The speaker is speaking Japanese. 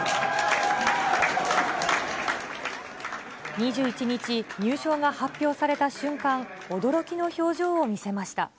２１日、入賞が発表された瞬間、驚きの表情を見せました。